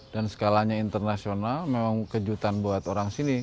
dan skalanya internasional memang kejutan buat orang sini